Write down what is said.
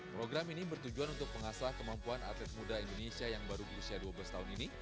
program ini bertujuan untuk pengasah kemampuan atlet muda indonesia yang baru berusia dua belas tahun ini